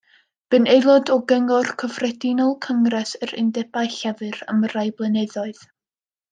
Bu'n aelod o Gyngor Cyffredinol Cyngres yr Undebau Llafur am rai blynyddoedd.